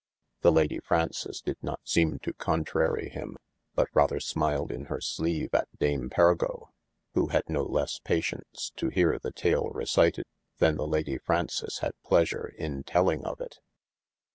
The Lady Fraunces did not seme to contrary him but rather smiled in hir sleeve at Dame Pergo, who had no lesse patience to here the tale recited, then the Lady Fraunces had pleasure in telling of it.